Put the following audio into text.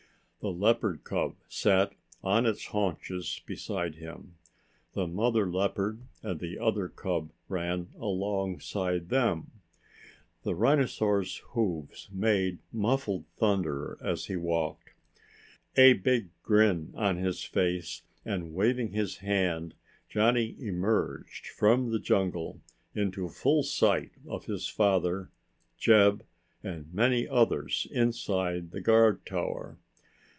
The leopard cub sat on its haunches beside him. The mother leopard and the other cub ran alongside them. The rhinosaur's hooves made muffled thunder as he walked. A big grin on his face, and waving his hand, Johnny emerged from the jungle into full sight of his father, Jeb, and many others inside the guard tower.